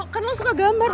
kan lo suka gambar